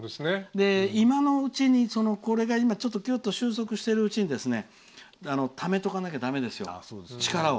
今のうちに、これが今ちょっと収束しているうちにためとかなきゃだめですよ、力を。